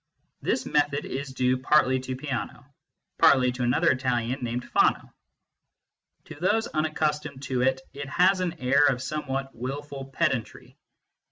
This method is due partly to Peano, partly to another Italian named Fano. To those unaccustomed to it, it has an air of somewhat wilful pedantry.